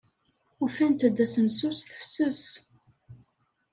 Ufant-d asensu s tefses.